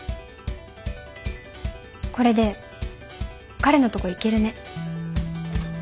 これで彼のとこ行けるね。